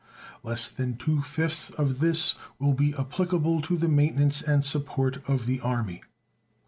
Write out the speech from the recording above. Less than two fifths of this will be applicable to the maintenance and support of the Army.